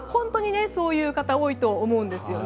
そういう方、本当に多いと思うんですよね。